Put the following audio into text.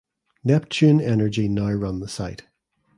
Neptune Energy now run the site.